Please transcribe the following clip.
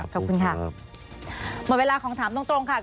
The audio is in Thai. ขอบคุณทั้ง๓ท่านครับ